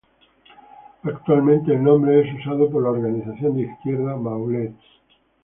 Actualmente el nombre es usado por la organización de izquierda "Maulets".